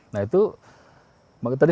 nah itu tadi